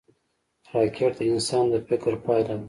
راکټ د انسان د فکر پایله ده